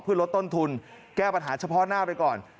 เพื่อลดต้นทุนแก้ปัญหาเฉพาะหน้าไปก่อน